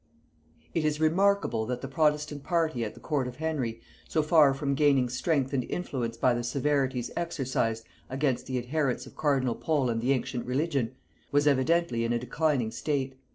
It is remarkable that the protestant party at the court of Henry, so far from gaining strength and influence by the severities exercised against the adherents of cardinal Pole and the ancient religion, was evidently in a declining state.